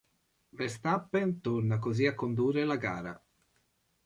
Verstappen torna così a condurre la gara.